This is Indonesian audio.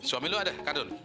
suami lu ada pak haji